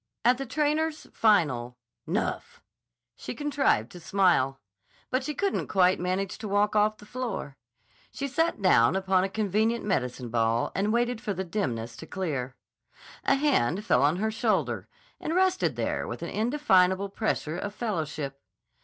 At the trainer's final "Nuff," she contrived to smile, but she couldn't quite manage to walk off the floor. She sat down upon a convenient medicine ball and waited for the dimness to clear. A hand fell on her shoulder and rested there with an indefinable pressure of fellowship.